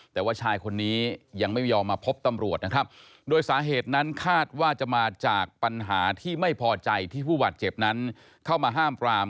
แต่ว่าชายคนนี้ยังไม่ยอมมาพบตำรวจนะครับโดยสาเหตุนั้นคาดว่าจะมาจากปัญหาที่ไม่พอใจที่ผู้บาดเจ็บนั้นเข้ามาห้ามปราม